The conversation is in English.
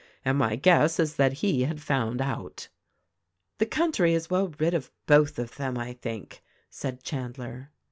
And my guess is that he had found out." "The country is well rid of both of them, I think," said Chandler.